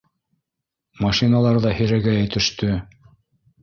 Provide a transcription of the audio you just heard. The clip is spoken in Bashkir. Машиналар ҙа һирәгәйә төштө.